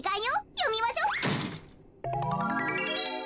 よみましょ。